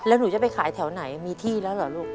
แล้วหนูจะไปขายแถวไหนมีที่แล้วเหรอลูก